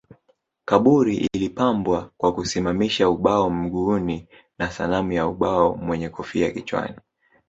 Kaburi ilipambwa kwa kusimamisha ubao mguuni na sanamu ya ubao mwenye kofia kichwani